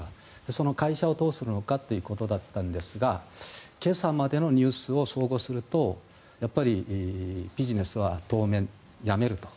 その会社をどうするのかということだったんですが今朝までのニュースを総合するとビジネスは当面やめると。